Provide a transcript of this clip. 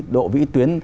độ vĩ tuyến